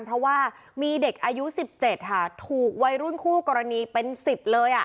เพราะว่ามีเด็กอายุ๑๗ค่ะถูกวัยรุ่นคู่กรณีเป็น๑๐เลย